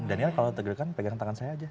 daniel kalau deg degan pegang tangan saya aja